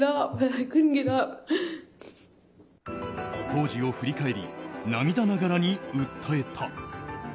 当時を振り返り涙ながらに訴えた。